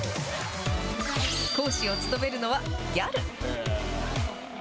講師を務めるのは、ギャル。